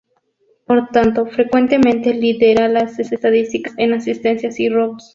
Por tanto, frecuentemente lidera las estadísticas en asistencias y robos.